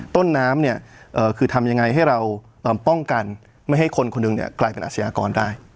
ต้นน้ำเนี่ยคือทำยังไงให้เราป้องกันไม่ให้คนคนหนึ่งกลายเป็นอาชญากรได้